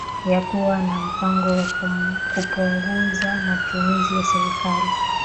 ya kuwa na mpango wa kupunguza matumizi ya serikali